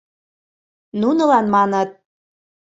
— нунылан маныт.